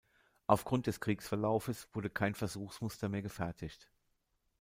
Aufgrund des Kriegsverlaufes wurde kein Versuchsmuster mehr gefertigt.